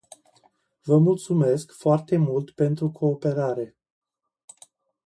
Vă mulțumesc foarte mult pentru cooperare.